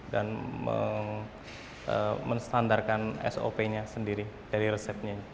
dan menstandarkan sop nya sendiri dari resepnya